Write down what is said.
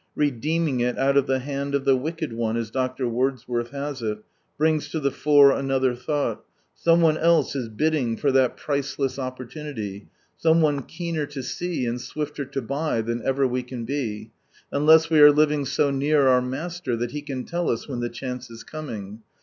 "Redeeming it out of the hand of the wicked one," as Dr. Wordsworth has it, brings lo the fore another thought; some one else is bidding for that priceless " opportunity," some one keener to see, and swifter to buy, than ever we can be ; unless we are living so near our Master that He can tell us when the chance is coming.